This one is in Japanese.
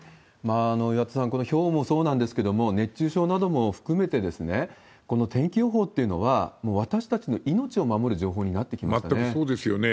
岩田さん、このひょうそうなんですけども、熱中症なども含めて、この天気予報っていうのは、もう私たちの命を守る情報になってきましたね。